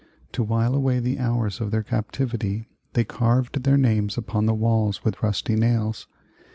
To while away the hours of their captivity, they carved their names upon the walls with rusty nails.